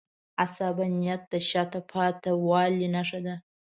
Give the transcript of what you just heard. عصبانیت د شاته پاتې والي نښه ده.